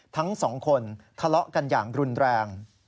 ทั้งสองคนทะเลาะกันอย่างรุนแรง